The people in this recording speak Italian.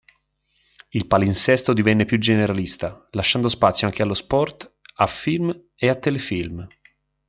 Il palinsesto divenne più generalista, lasciando spazio anche allo sport, a film e telefilm.